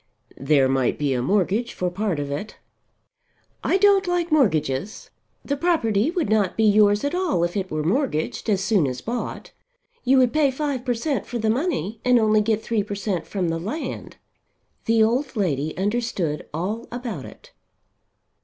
"There might be a mortgage for part of it." "I don't like mortgages. The property would not be yours at all if it were mortgaged, as soon as bought. You would pay 5 per cent. for the money and only get 3 per cent. from the land." The old lady understood all about it.